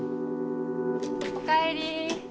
おかえり。